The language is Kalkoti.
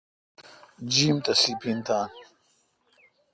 جیم تہ سیپین تھان۔